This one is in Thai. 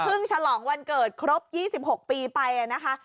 เพิ่งฉลองวันเกิดครบ๒๖ปีไปเลยนะคะ